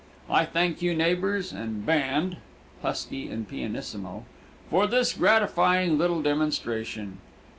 I thank you, neighbors and band (husky and pianissimo), for this gratifying little demonstration.